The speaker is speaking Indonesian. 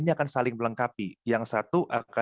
kita harus memilih laptop yang lebih baik